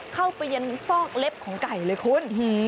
เข้าไปยังซอกเล็บของไก่เลยคุณ